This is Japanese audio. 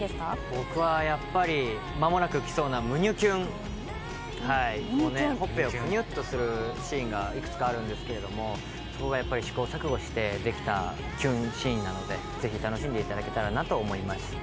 僕はやっぱり、間もなく来そうなムニュキュン、ほっぺをムニュっとするシーンがいくつかあるんですけどそこがやっぱり試行錯誤してできたキュンシーンなのでぜひ楽しんでいただけたらなと思います。